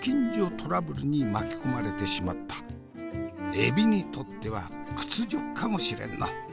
エビにとっては屈辱かもしれんな。